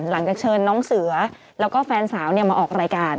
หลังจากเชิญน้องเสือแล้วก็แฟนสาวมาออกรายการ